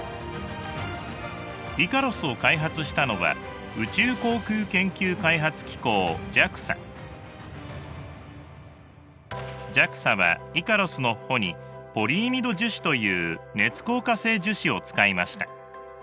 イカロスを開発したのはＪＡＸＡはイカロスの帆にポリイミド樹脂という熱硬化性樹脂を使いました。